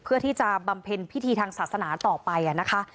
เพื่อที่จะบำเพ็ญพิธีทางศาสนาต่อไปนะคะ